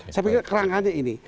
saya pikir kerangkanya ini